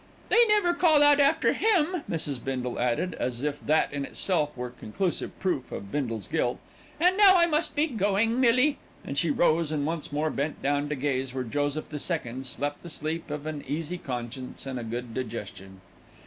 "They never call out after him," Mrs. Bindle added, as if that in itself were conclusive proof of Bindle's guilt. "And now I must be going, Millie," and she rose and once more bent down to gaze where Joseph the Second slept the sleep of an easy conscience and a good digestion.